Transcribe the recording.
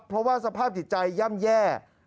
เพราะว่าสภาพจิตใจย่ำแย่